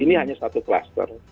ini hanya satu kluster